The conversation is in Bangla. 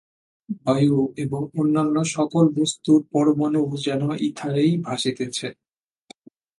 বায়ু এবং অন্যান্য সকল বস্তুর পরমাণুও যেন ইথারেই ভাসিতেছে।